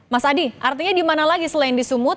mas adi artinya di mana lagi selain di sumut